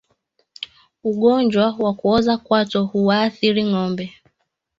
Ugonjwa wa kuoza kwato huwaathiri ngombe